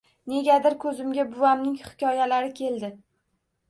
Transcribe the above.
Negadir ko’zimga buvamning hikoyalari keldi.